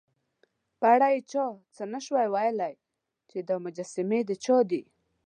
په اړه یې چا څه نه شوای ویلای، چې دا مجسمې د چا دي.